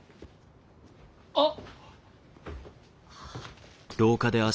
あっ！